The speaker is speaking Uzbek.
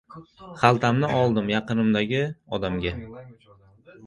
Xaltamni oldim. Yaqinimdagi odamga: